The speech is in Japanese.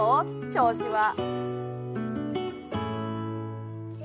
調子は。